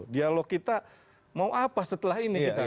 dialog kita mau apa setelah ini kita